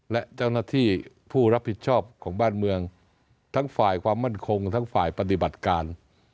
และเจ้าหน้าที่ผู้รับผิดชอบของบ้านเมืองทั้งฝ่ายความมั่นคงทั้งฝ่ายปฏิบัติการ